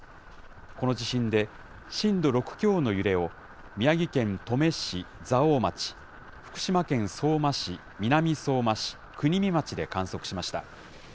この地震で、震度６強の揺れを、宮城県登米市、蔵王町、福島県相馬市、南相馬市、国見町で観測しました。